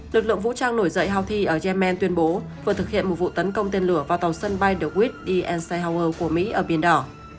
lực lượng vũ trang nổi dậy hào thi ở yemen tuyên bố vừa thực hiện một vụ tấn công tên lửa vào tàu sân bay the whip đi anshai harbor của mỹ ở biển đỏ